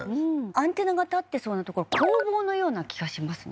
アンテナが立ってそうな所工房のような気がしますね